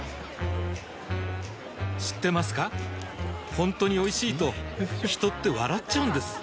ほんとにおいしいと人って笑っちゃうんです